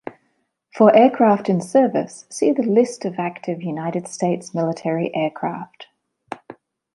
For aircraft in service, see the List of active United States military aircraft.